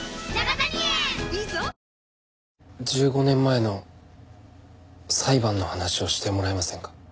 １５年前の裁判の話をしてもらえませんか？